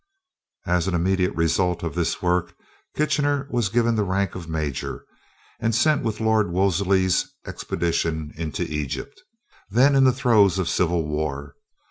As an immediate result of this work, Kitchener was given the rank of Major, and sent with Lord Wolseley's expedition into Egypt then in the throes of civil war.